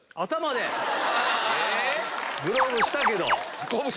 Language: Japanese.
グローブしたけど。